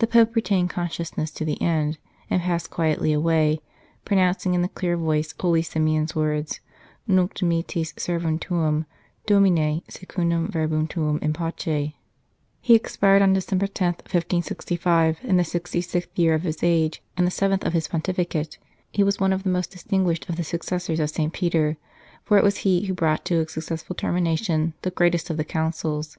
The Pope retained consciousness to the end, and passed quietly away, pronouncing in a clear voice holy Simeon s words :" Nunc dimittis servum tuum, Domine, secundum verbum tuum in pace." He expired on December 10, 1565, in the sixty sixth year of his age and the seventh of his pontificate. He was one of the most distinguished of the successors of St. Peter, for it was he who brought to a successful termination the greatest of the Councils.